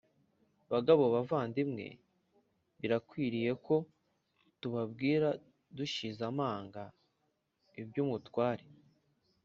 Bagabo bavandimwe birakwiriye ko tubabwira dushize amanga iby umutware